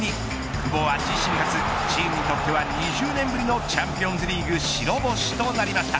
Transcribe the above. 久保は自身初チームにとっては２０年ぶりのチャンピオンズリーグ白星となりました。